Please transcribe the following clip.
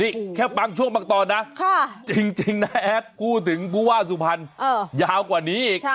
นี่แค่บางช่วงบางตอนนะจริงนะแอดพูดถึงผู้ว่าสุพรรณยาวกว่านี้อีก